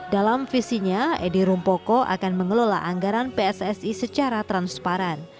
dalam visinya edi rumpoko akan mengelola anggaran pssi secara transparan